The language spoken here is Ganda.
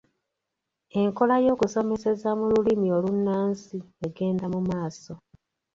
Enkola y’okusomeseza mu Lulimi olunnansi egenda mu maaso.